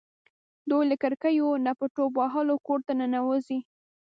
دوی له کړکیو نه په ټوپ وهلو کور ته ننوځي.